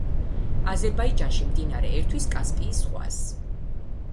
აზერბაიჯანში მდინარე ერთვის კასპიის ზღვას.